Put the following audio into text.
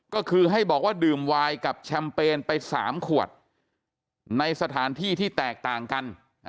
ก็คือให้บอกว่าดื่มวายกับแชมเปญไป๓ขวดในสถานที่ที่แตกต่างกัน